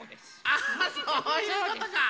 あそういうことか。